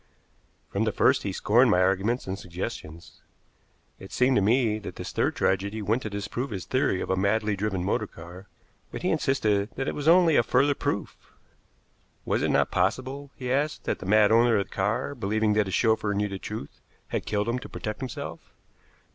From the first he scorned my arguments and suggestions. It seemed to me that this third tragedy went to disprove his theory of a madly driven motor car, but he insisted that it was only a further proof. Was it not possible, he asked, that the mad owner of the car, believing that his chauffeur knew the truth, had killed him to protect himself?